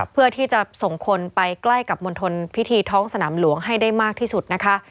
เพื่อที่จะส่งคนไปใกล้กับมณฑลพิธีท้องสนามหลวงให้ได้มากที่สุดนะคะ